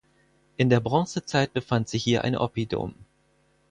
In der Bronzezeit befand sich hier ein Oppidum.